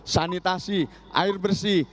sanitasi air bersih